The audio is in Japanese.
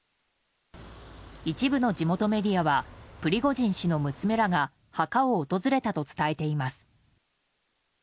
一部の地元メディアはプリゴジン氏の娘らが墓を訪れたと伝えています。